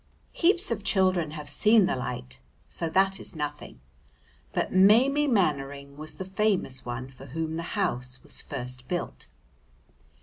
Heaps of children have seen the light, so that is nothing. But Maimie Mannering was the famous one for whom the house was first built.